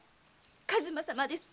数馬様です。